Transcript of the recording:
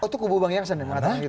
itu kubu bang yang sendirian